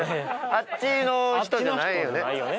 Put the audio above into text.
あっちの人じゃないよね？